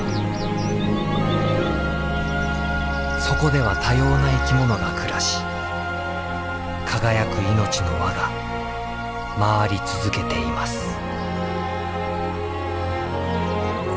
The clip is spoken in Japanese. そこでは多様な生き物が暮らし輝く命の輪が回り続けています。